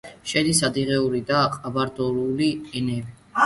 შედის ადიღეური და ყაბარდოული ენები.